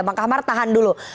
bang kamhar tahan dulu